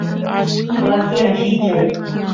wasi allichay